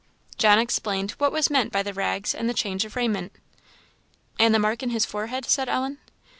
John explained what was meant by the rags and the change of raiment. "And the mark in his forehead?" said Ellen.